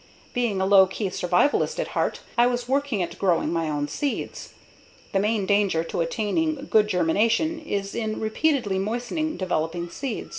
Being a low key survivalist at heart, I was working at growing my own seeds. The main danger to attaining good germination is in repeatedly moistening developing seed.